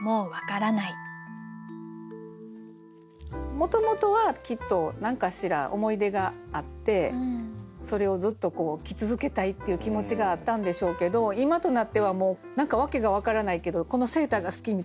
もともとはきっと何かしら思い出があってそれをずっと着続けたいっていう気持ちがあったんでしょうけど今となってはもう何か理由がわからないけどこのセーターが好きみたいになっている。